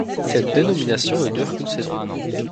Cette dénomination ne dure qu'une saison.